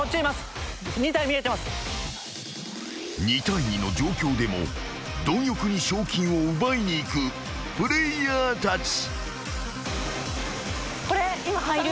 ［２対２の状況でも貪欲に賞金を奪いにいくプレイヤーたち］